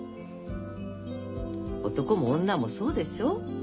男も女もそうでしょ？